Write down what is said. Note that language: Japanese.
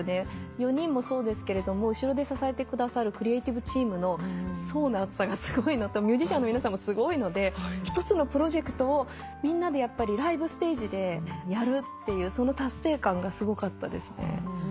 ４人もそうですけれども後ろで支えてくださるクリエーティブチームの層の厚さがすごいのとミュージシャンの皆さんもすごいので１つのプロジェクトをみんなでライブステージでやるっていうその達成感がすごかったですね。